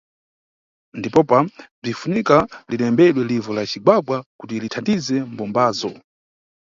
Ndipopa, bzinʼfunika linembedwe livu la cigwagwa kuti lithandize mbumbazo.